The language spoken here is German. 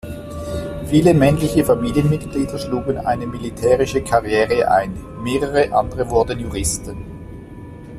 Viele männliche Familienmitglieder schlugen eine militärische Karriere ein, mehrere andere wurden Juristen.